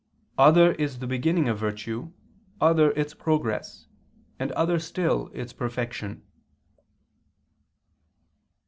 "Other is the beginning of virtue, other its progress, and other still its perfection."